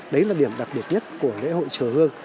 đấy là điểm đặc biệt nhất của lễ hội chùa hương